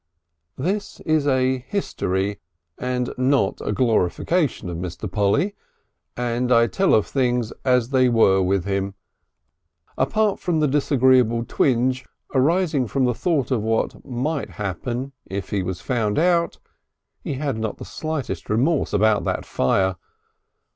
This is a history and not a glorification of Mr. Polly, and I tell of things as they were with him. Apart from the disagreeable twinge arising from the thought of what might happen if he was found out, he had not the slightest remorse about that fire.